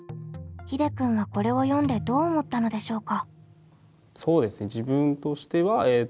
ひでくんはこれを読んでどう思ったのでしょうか。